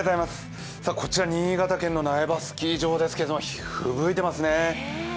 こちら新潟県の苗場スキー場ですけどふぶいてますね。